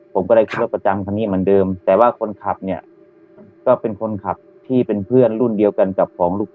ผมก็เลยขึ้นรถประจำคันนี้เหมือนเดิมแต่ว่าคนขับเนี่ยก็เป็นคนขับที่เป็นเพื่อนรุ่นเดียวกันกับของลูก